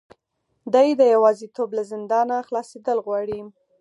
دی د یوازیتوب له زندانه خلاصېدل غواړي.